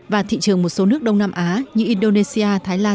và thị trường một số nước đông nam á như indonesia